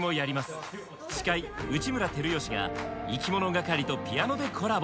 司会内村光良がいきものがかりとピアノでコラボ。